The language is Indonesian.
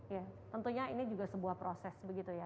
ya tentunya ini juga sebuah proses begitu ya